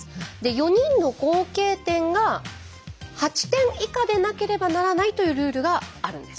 ４人の合計点が８点以下でなければならないというルールがあるんです。